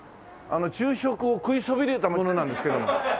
昼食を食いそびれた者なんですけども。